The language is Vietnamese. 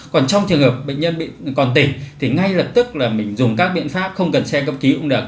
còn trong trường hợp bệnh nhân bị còn tỉnh thì ngay lập tức là mình dùng các biện pháp không cần xe cấp cứu cũng được